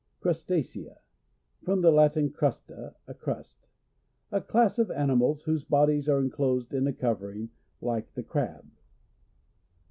Crustacea. — From the Latin, crusta, a crust. A class of animals whose bodies are inclosed in a covering, like the crab.